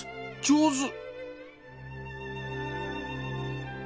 上手！